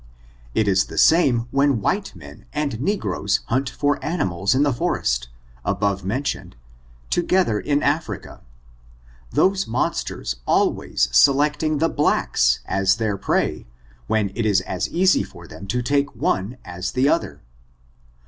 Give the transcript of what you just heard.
It is the same when white men and negroes hunt the animals of the forest, above men tioned, together in Africa, those monsters always se lecting the blacks as their prey, when it is as eas)* for them to take one as the other.